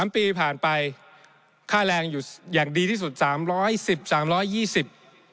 ๓ปีผ่านไปค่าแรงอยู่อย่างดีที่สุด๓๑๐๓๒๐บาท